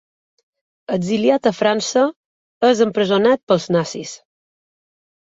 Exiliat a França, és empresonat pels nazis.